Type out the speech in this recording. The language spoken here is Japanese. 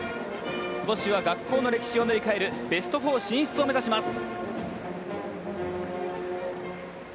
ことしは学校の歴史を塗りかえるベスト４進出を目指します。